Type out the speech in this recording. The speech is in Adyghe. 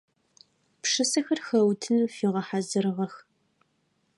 Пшысэхэр хэутыным фигъэхьазырыгъэх.